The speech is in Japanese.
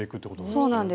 そうなんです。